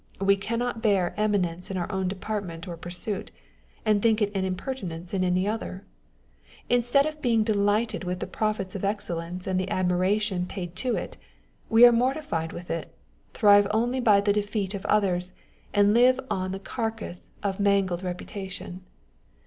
We cannot bear eminence in our own department or pursuit, and think it an impertinence in any other. Instead of being delighted with the proofs of excellence and the admiration paid to it. wo are mortified with it, thrive only by the defeat 01 others, and live on the carcase of mangled reputation.